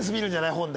本で。